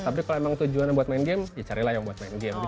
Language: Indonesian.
tapi kalau emang tujuannya buat main game ya carilah yang terbaik